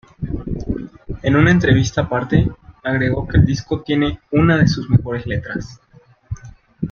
En una entrevista aparte, agregó que el disco tiene "una de sus mejores letras".